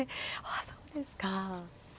あそうですか。